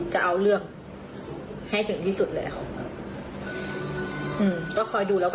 จะเอาเรื่องให้ถึงที่สุดเลยครับ